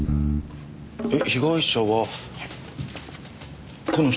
え被害者はこの人？